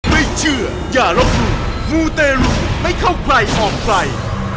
ไม่เชื่ออย่ารบหลุมมูเตรุไม่เข้าใกล้ออกไกล